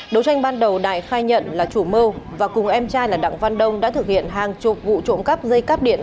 đấu tranh ban đầu đại khai nhận là chủ mưu và cùng em trai là đặng văn đông đã thực hiện hàng chục vụ trộm cắp dây cắp điện